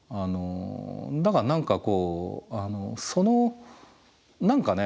だから何かこうその何かね